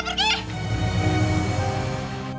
bu tolong bu